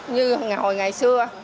như hồi ngày xưa